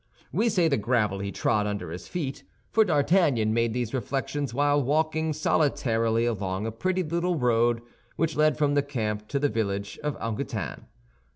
We say the gravel he trod under his feet, for D'Artagnan made these reflections while walking solitarily along a pretty little road which led from the camp to the village of Angoutin.